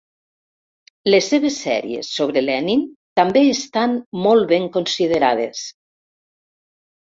Les seves sèries sobre Lenin també estan molt ben considerades.